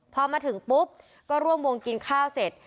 พอมาถึงปุ๊บก็ร่วมวงกินข้าวเสร็จ